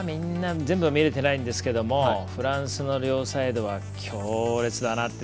全部は見れてないんですけどフランスの両サイドは強烈だなって。